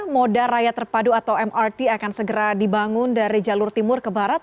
moda raya terpadu atau mrt akan segera dibangun dari jalur timur ke barat